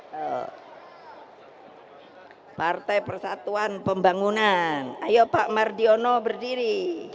hai partai persatuan pembangunan ayo pak mardiono berdiri